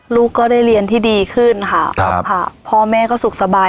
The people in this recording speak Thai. ลูกก็ได้เรียนที่ดีขึ้นค่ะครับค่ะพ่อแม่ก็สุขสบาย